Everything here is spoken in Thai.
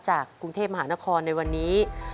จากกรุงเทพมหานครในวันนี้